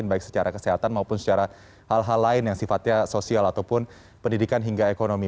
baik secara kesehatan maupun secara hal hal lain yang sifatnya sosial ataupun pendidikan hingga ekonomi